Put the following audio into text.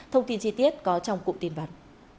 thông tin chi tiết có trong cụm tin văn